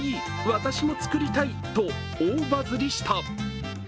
私も作りたい！と大バズりした。